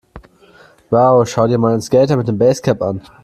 Wow, schau dir mal den Skater mit dem Basecap an!